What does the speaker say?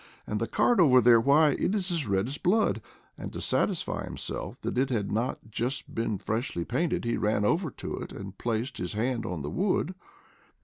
And the cart over there — why, it is red as blood !" And to satisfy himself that it had not just been freshly painted he ran over to it and placed his hand oh the wood.